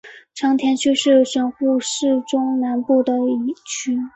长田区是神户市中南部的一区。